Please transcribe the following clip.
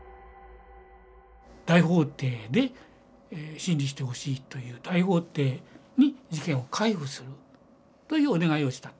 大法廷で審理してほしいという大法廷に事件を回付するというお願いをしたと。